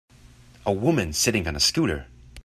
A woman sitting on a scooter.